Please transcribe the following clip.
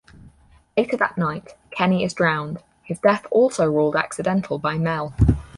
Later that night, Kenny is drowned, his death also ruled accidental by Mel.